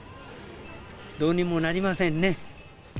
どうにもなりませんね。